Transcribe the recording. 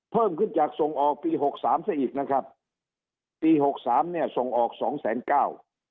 เพิ่มขึ้นจากส่งออกปีหกสามซะอีกนะครับปีหกสามเนี่ยส่งออกสองแสนเก้า